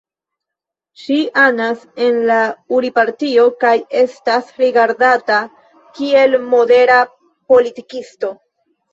Ŝi anas en la Uri-Partio kaj estas rigardata kiel modera politikisto.